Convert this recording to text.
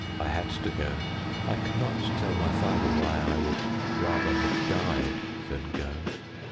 I had to go. I could not tell my father why I would rather had died than go."